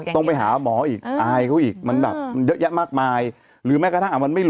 ต้องให้คุณหมอเอาออกอย่างนี้